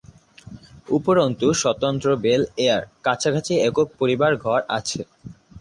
উপরন্তু "স্বতন্ত্র বেল-এয়ার" কাছাকাছি একক পরিবার ঘর আছে